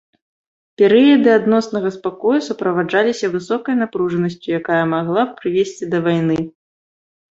Перыяды адноснага спакою суправаджаліся высокай напружанасцю, якая магла б прывесці да вайны.